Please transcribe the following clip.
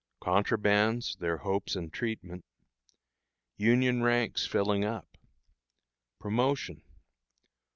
"Contrabands," their Hopes and Treatment. Union Ranks Filling Up. Promotion.